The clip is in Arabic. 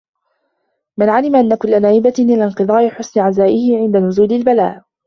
مَنْ عَلِمَ أَنَّ كُلَّ نَائِبَةٍ إلَى انْقِضَاءٍ حَسُنَ عَزَاؤُهُ عِنْدَ نُزُولِ الْبَلَاءِ